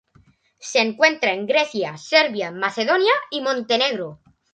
Se encuentra en Grecia, Serbia, Macedonia y Montenegro.